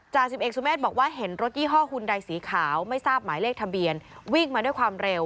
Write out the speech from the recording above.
จ่า๑๑สุเมธบอกว่า